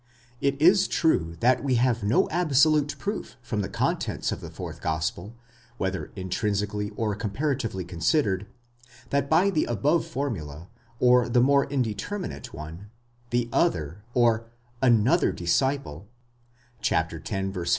It is true that we have no absolute proof from the contents of the fourth gospel, whether intrinsically or comparatively considered, that by the above formula, or the more indeterminate one, 'he other 6 ἄλλος, or another disciple, ἄλλος μαθητὴς (x.